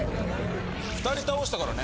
２人倒したからね。